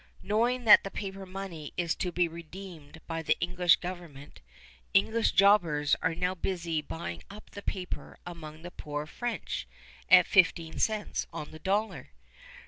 Knowing that the paper money is to be redeemed by the English government, English jobbers are now busy buying up the paper among the poor French at fifteen cents on the dollar.